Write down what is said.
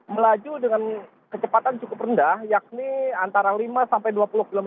melaju dengan kecepatan cukup rendah yakni antara lima sampai dua puluh km